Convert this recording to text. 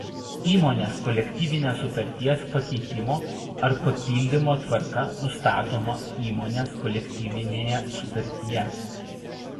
Įmonės kolektyvinės sutarties pakeitimo ar papildymo tvarka nustatoma įmonės kolektyvinėje sutartyje.